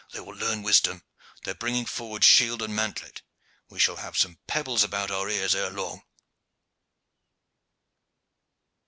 "They will learn wisdom. They are bringing forward shield and mantlet. We shall have some pebbles about our ears ere long."